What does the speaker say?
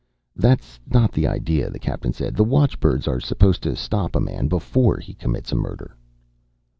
"That's not the idea," the captain said. "The watchbirds are supposed to stop a man before he commits a murder."